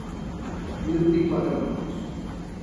Dir-li quatre mots.